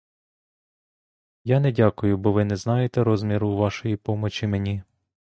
Я не дякую, бо ви не знаєте розміру вашої помочі мені.